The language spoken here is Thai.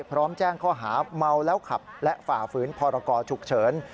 พร้อมแจ้งข้อหาเมาแล้วขับและฝ่าฝืนพรกรฉุกเฉิน